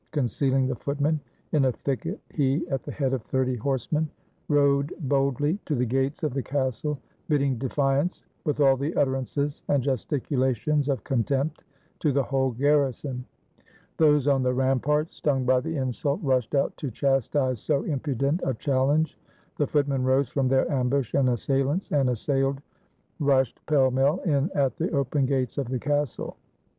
Con cealing the footmen in a thicket, he, at the head of thirty horsemen, rode boldly to the gates of the castle, bidding defiance, with all the utterances and gesticulations of contempt, to the whole garrison. Those on the ram parts, stung by the insult, rushed out to chastise so impudent a challenge. The footmen rose from their ambush, and assailants and assailed rushed pell mell in at the open gates of the castle.